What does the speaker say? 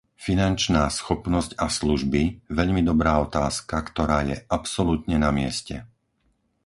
Finančná schopnosť a služby - veľmi dobrá otázka, ktorá je absolútne namieste.